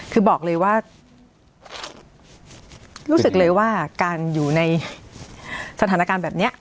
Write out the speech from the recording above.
คือบอกเลยว่ารู้สึกเลยว่าการอยู่ในสถานการณ์แบบนี้